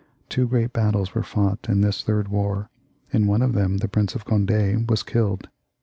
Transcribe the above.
Two great battles were fought in this third war; in one of them the Prince of Cond4 was killed.